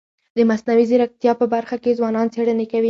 د مصنوعي ځیرکتیا په برخه کي ځوانان څيړني کوي.